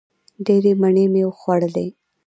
ډېرې مڼې مې وخوړلې!